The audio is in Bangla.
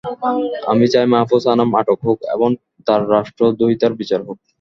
আমি চাই মাহ্ফুজ আনাম আটক হোক এবং তাঁর রাষ্ট্রদ্রোহিতার বিচার হোক।